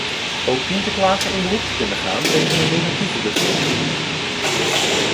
Ook dient de klager in beroep te kunnen gaan tegen een negatieve beslissing.